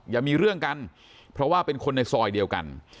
อย่ามีเรื่องกันเพราะว่าเป็นคนในซอยเดียวกัน